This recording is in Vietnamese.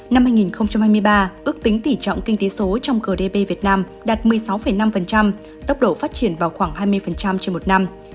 năm hai nghìn hai mươi ba ước tính tỉ trọng kinh tế số trong gdp việt nam đạt một mươi sáu năm tốc độ phát triển vào khoảng hai mươi trên một năm